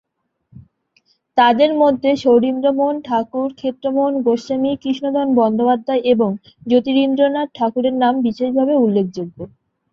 তাঁদের মধ্যে শৌরীন্দ্রমোহন ঠাকুর, ক্ষেত্রমোহন গোস্বামী, কৃষ্ণধন বন্দ্যোপাধ্যায় এবং জ্যোতিরিন্দ্রনাথ ঠাকুরের নাম বিশেষভাবে উল্লেখযোগ্য।